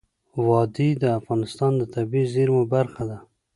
وادي د افغانستان د طبیعي زیرمو برخه ده.